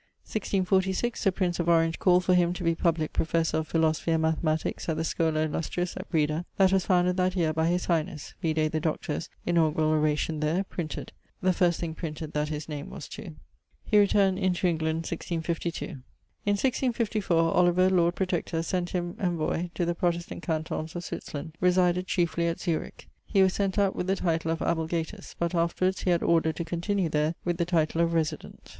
1646, the prince of Orange called for him to be publique professor of Philosophy and Mathematiques at the Schola Illustris at Breda, that was founded that yeare by his Highnesse; vide the Doctor's inaugurall oration there, printed the first thing printed that his name was to. He returned into England, 1652. In 1654 Oliver, Lord Protector, sent him envoyé to the Protestant cantons of Switzerland; resided chiefly at Zurich. He was sent out with the title of ablegatus, but afterwards he had order to continue there with the title of Resident.